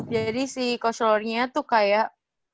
jadi si coachlore nya tuh kayak